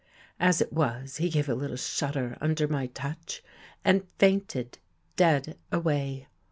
As it was, he gave a little shudder under my touch and fainted dead away.